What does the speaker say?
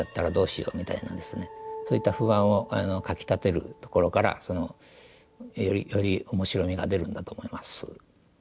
そういった不安をかきたてるところからより面白みが出るんだと思います。